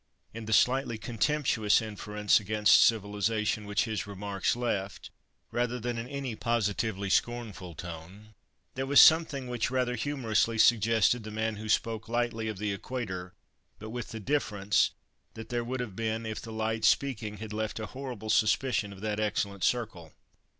In the slightly contemptuous inference against civilization which his remarks left, rather than in any positively scornful tone, there was something which rather humorously suggested the man who spoke lightly of the equator, but with the difference that there would have been if the light speaking had left a horrible suspicion of that excellent circle.